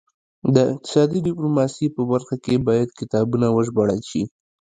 د اقتصادي ډیپلوماسي په برخه کې باید کتابونه وژباړل شي